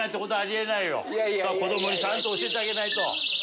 子どもにちゃんと教えてあげないと。